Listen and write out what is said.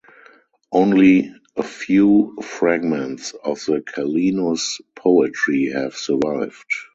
Only a few fragments of the Callinus' poetry have survived.